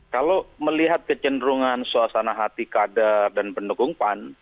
kalau melihat kecenderungan suasana hati kader dan pendukung pan